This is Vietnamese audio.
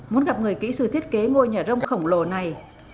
muốn gặp người kỹ sư thiết kế ngôi nhà rông khổng lồ này